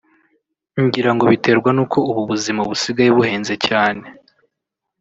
ngira ngo biterwa n’uko ubu ubuzima busigaye buhenze cyane